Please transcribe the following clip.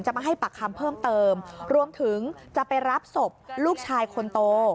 มาให้ปากคำเพิ่มเติมรวมถึงจะไปรับศพลูกชายคนโต